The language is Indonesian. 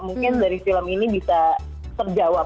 mungkin dari film ini bisa terjawab